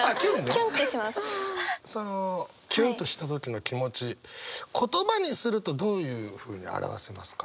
キュンとした時の気持ち言葉にするとどういうふうに表せますか？